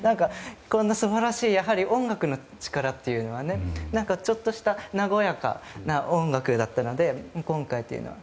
こんな素晴らしい、やはり音楽の力というのはちょっとした和やかな音楽だったので今回というのは。